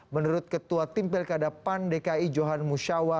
menurut ketua timpel kedepan dki johan musyawa